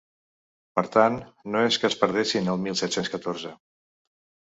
Per tant, no és que es perdessin el mil set-cents catorze.